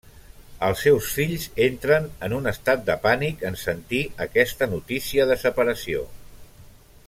Els seus fills entren en un estat de pànic en sentir aquesta notícia de separació.